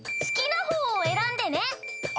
好きな方を選んでね。